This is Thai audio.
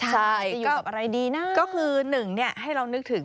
ใช่ก็คือหนึ่งเนี่ยให้เรานึกถึง